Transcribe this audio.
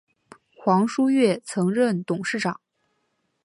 黄书锐曾任董事长。